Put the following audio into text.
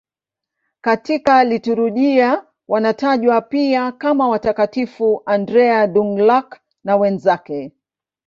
Katika liturujia wanatajwa pia kama Watakatifu Andrea Dũng-Lạc na wenzake.